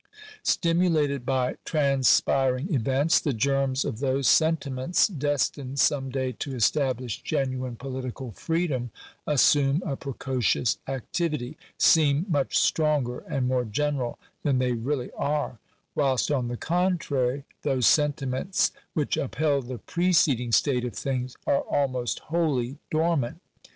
Stimulated by transpiring events, the germs of those sentiments destined some day to establish genuine political freedom, assume a precocious activity — seem much stronger and more general than they really are ; whilst, on the contrary, those sentiments which upheld the preceding state of things are almost wholly dormant.